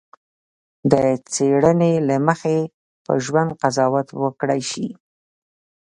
د څېړنې له مخې په ژوند قضاوت وکړای شي.